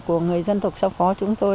của người dân thuộc xa phó chúng tôi